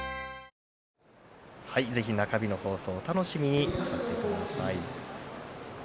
ぜひ中日の放送をお楽しみにしていてください。